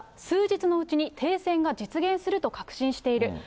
数日のうちに停戦が実現すると確信している。